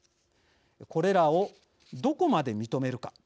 これらをどこまで認めるか。